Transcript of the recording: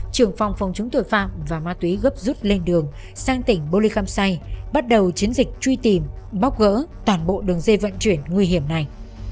trưởng phòng phòng chống tội phạm và ma túy gấp rút lên đường sang tỉnh bô lê khăm say bắt đầu chiến dịch truy tìm bóc gỡ toàn bộ đường dây vận chuyển nguy hiểm này